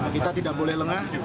kita tidak boleh lengah